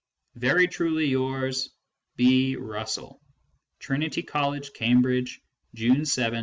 Very truly yours, B. RUSSELL. TRINITY COLLEGE, CAMBRIDGE, June 7, 1915.